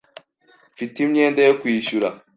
Mfite imyenda yo kwishyura.